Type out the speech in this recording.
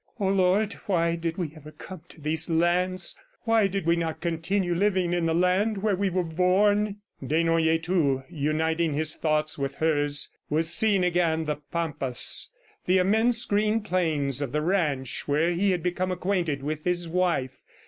"O Lord, why did we ever come to these lands? Why did we not continue living in the land where we were born?" ... Desnoyers, too, uniting his thoughts with hers, was seeing again the pampas, the immense green plains of the ranch where he had become acquainted with his wife.